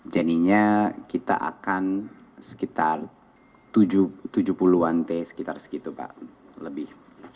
jadinya kita akan sekitar tujuh puluh an t sekitar segitu pak lebih